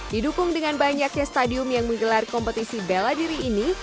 didukung dengan banyaknya stadium yang menggelar kompetisi bela diri ini